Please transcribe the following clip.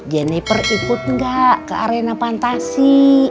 jennifer ikut gak ke arena pantasi